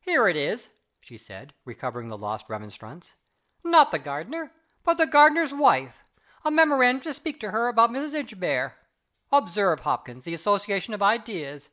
"Here it is," she said, recovering the lost remembrance. "Not the gardener, but the gardener's wife. A memorandum to speak to her about Mrs. Inchbare. Observe, Hopkins, the association of ideas.